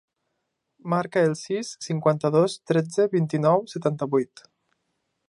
Marca el sis, cinquanta-dos, tretze, vint-i-nou, setanta-vuit.